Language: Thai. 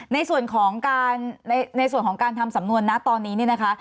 ในส่วนของการทำสำนวนณตอนนี้นี่นะคะ